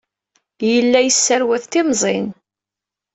Yella yesserwat timẓin.